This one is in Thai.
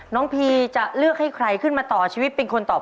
พีจะเลือกให้ใครขึ้นมาต่อชีวิตเป็นคนตอบ